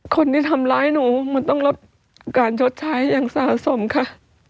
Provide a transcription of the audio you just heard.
คนที่ทำร้ายหนูมันต้องลดการชดใช้อย่างสะสมค่ะ